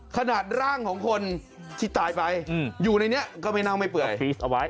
ขนาดร่างของคนที่ตายไปอยู่ในนี้ก็ไม่เน่าไม่เปื่อยฟีสเอาไว้